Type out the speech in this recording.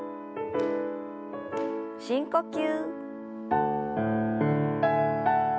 深呼吸。